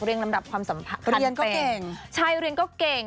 เรียนลำดับความสัมพันธ์เต็มเรียนก็เก่ง